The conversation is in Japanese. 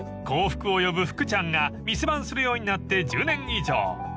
［幸福を呼ぶ福ちゃんが店番するようになって１０年以上］